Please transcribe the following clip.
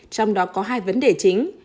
trong đó có hai vấn đề chính